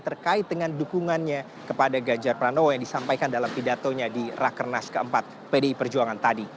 terkait dengan dukungannya kepada ganjar pranowo yang disampaikan dalam pidatonya di rakernas keempat pdi perjuangan tadi